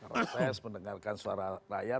reses mendengarkan suara rakyat